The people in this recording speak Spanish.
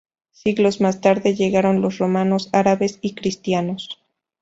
Siglos más tarde llegaron los romanos, árabes y cristianos.